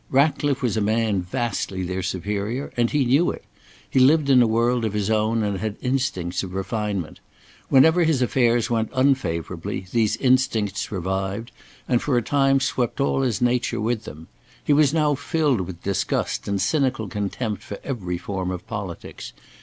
Ratcliffe was a man vastly their superior, and he knew it. He lived in a world of his own and had instincts of refinement. Whenever his affairs went unfavourably, these instincts revived, and for the time swept all his nature with them. He was now filled with disgust and cynical contempt for every form of politics.